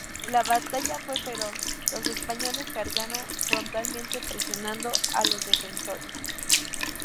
La batalla fue feroz, los españoles cargaron frontalmente presionando a los defensores.